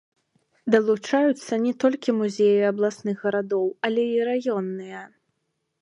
Далучаюцца не толькі музеі абласных гарадоў, але і раённыя.